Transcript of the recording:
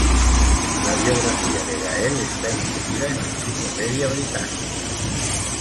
La biografía de Gael está incluida en la "Enciclopedia Británica".